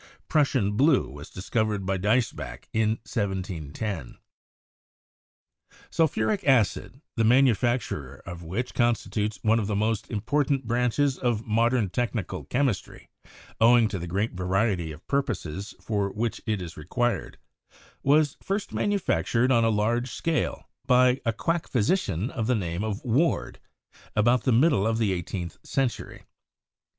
Prussian blue was dis covered by Diesbach in 1710. Sulphuric acid, the manufacture of which constitutes one of the most important branches of modern technical chemistry owing to the great variety of purposes for which it is required, was first manufactured on* a large scale by a quack physician of the name of Ward, about the middle of the eighteenth century.